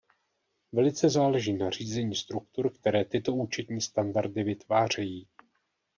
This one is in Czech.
Velice záleží na řízení struktur, které tyto účetní standardy vytvářejí.